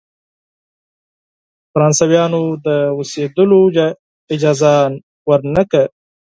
فرانسویانو ته د اوسېدلو اجازه ورنه کړی.